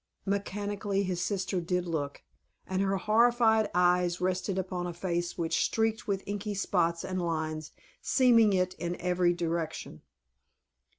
Mechanically his sister did look, and her horrified eyes rested upon a face which streaked with inky spots and lines seaming it in every direction.